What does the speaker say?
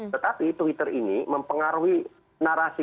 tetapi twitter ini mempengaruhi narasi